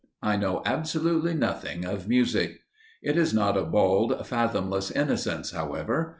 I know absolutely nothing of music. It is not a bald, fathomless innocence, however.